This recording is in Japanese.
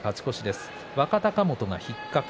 若隆元、引っ掛け。